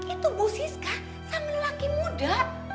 itu bu siska sang lelaki muda